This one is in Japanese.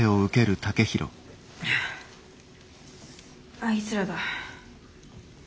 あいつらだ。